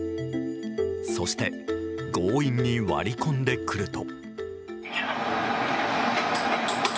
そして強引に割り込んでくると。